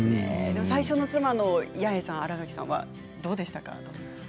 最初の妻、八重さん新垣さんはどうでしたか。